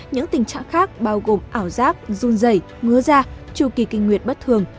những tình trạng khác bao gồm ảo giác run dày ngứa da trù kỳ kinh nguyệt bất thường